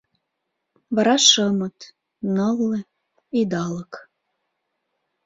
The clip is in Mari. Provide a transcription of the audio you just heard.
Вара шымыт, нылле, идалык...